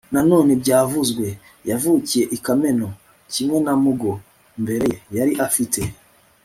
na none, byavuzwe, yavukiye i kameno. kimwe na mugo mbere ye, yari afite